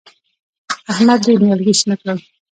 احمد ډېر نيالګي شنه کړل.